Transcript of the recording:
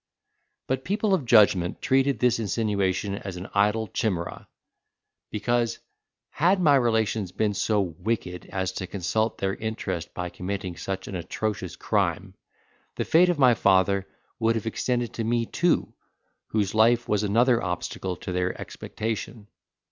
But people of judgment treated this insinuation as an idle chimera; because, had my relations been so wicked as to consult their interest by committing such an atrocious crime, the fate of my father would have extended to me too whose life was another obstacle to their expectation.